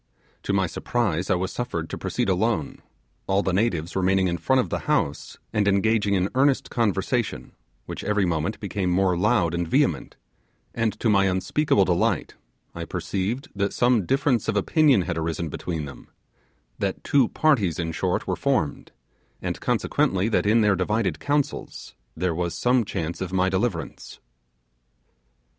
To my surprise, I was suffered to proceed alone; all the natives remaining in front of the house, and engaging in earnest conversation, which every moment became more loud and vehement; and to my unspeakable delight, I perceived that some difference of opinion had arisen between them; that two parties, in short, were formed, and consequently that in their divided counsels there was some chance of my deliverance.